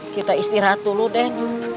kita istirahat dulu den